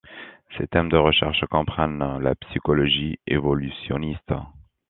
Ses thèmes de recherche comprennent la psychologie évolutionniste.